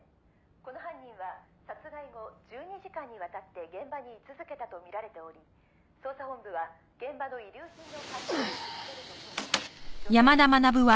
「この犯人は殺害後１２時間にわたって現場に居続けたと見られており捜査本部は現場の遺留品の」